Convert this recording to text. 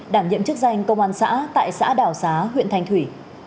đảm nhiệm chức danh công an xã tại xã đảo xá huyện thành thủy